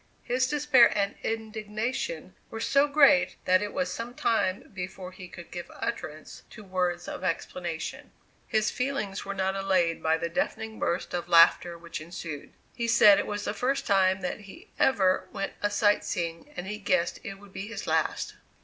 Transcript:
His despair and indignation were so great that it was some time before he could give utterance to words of explanation. His feelings were not allayed by the deafening burst of laughter which ensued. He said it was the first time that he ever went a sight seeing, and he guessed it would be the last!